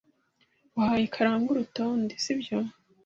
Wahaye karangwa urutonde, sibyo?